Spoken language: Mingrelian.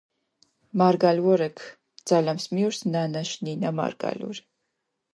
მარგალ ვორექ: ძალამს მიჸორს ნანაშ ნინა მარგალური.